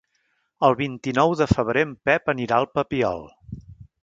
El vint-i-nou de febrer en Pep anirà al Papiol.